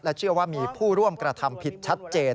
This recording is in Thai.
เชื่อว่ามีผู้ร่วมกระทำผิดชัดเจน